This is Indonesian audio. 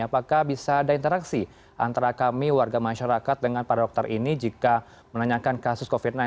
apakah bisa ada interaksi antara kami warga masyarakat dengan para dokter ini jika menanyakan kasus covid sembilan belas